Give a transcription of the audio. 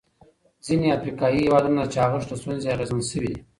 ځینې افریقایي هېوادونه د چاغښت له ستونزې اغېزمن شوي دي.